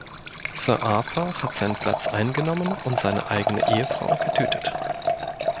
Sir Arthur hat seinen Platz eingenommen und seine eigene Ehefrau getötet.